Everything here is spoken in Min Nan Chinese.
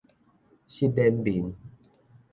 失臉面